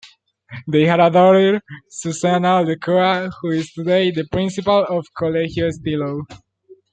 They had a daughter, Susana Aldecoa, who is today the Principal of Colegio Estilo.